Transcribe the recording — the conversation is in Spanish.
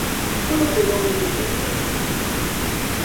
Solo quedó inconsciente por un momento.